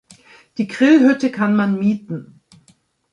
Die Grillhütte kann man mieten.